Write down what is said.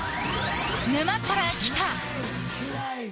「沼から来た。」。